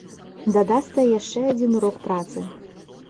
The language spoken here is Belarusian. Дадасца і яшчэ адзін урок працы.